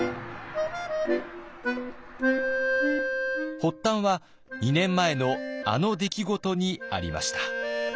発端は２年前のあの出来事にありました。